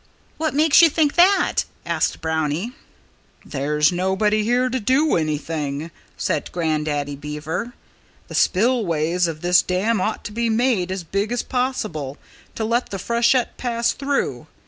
"What makes you think that?" asked Brownie. "There's nobody here to do anything," said Grandaddy Beaver. "The spillways of this dam ought to be made as big as possible, to let the freshet pass through.